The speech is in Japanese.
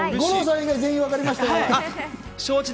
五郎さん以外、分かりましたよ。